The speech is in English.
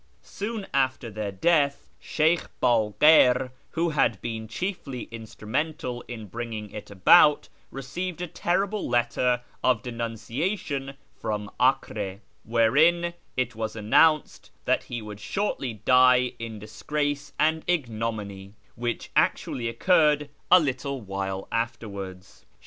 Soon after their death, Sheykh Bakir, who had been chiefly instrumental in bringing it about, 'eceived a terrible letter of denunciation from Acre, wherein it vas announced that he would shortly die in disgrace and gnominy, which actually occurred a little while afterwards.